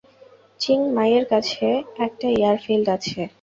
চিং মাইয়ের কাছে একটা এয়ারফিল্ড আছে।